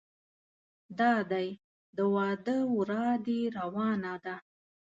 دادی د واده ورا دې روانه ده.